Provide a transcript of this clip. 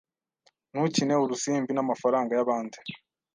Ntukine urusimbi namafaranga yabandi.